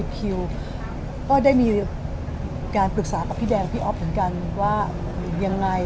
คิวก็ได้มีการปรึกษากับพี่แดงพี่อ๊อฟเหมือนกันว่ายังไง